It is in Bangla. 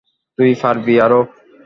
তুই পারবি আরো।